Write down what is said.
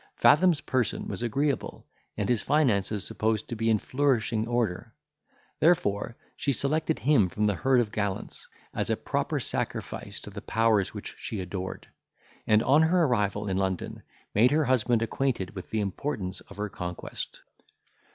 Fathom's person was agreeable, and his finances supposed to be in flourishing order; therefore, she selected him from the herd of gallants, as a proper sacrifice to the powers which she adored; and, on her arrival in London, made her husband acquainted with the importance of her conquest.